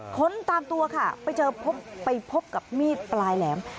ค้นตามตัวค่ะไปเจอไปพบกับมีดปลายแหลม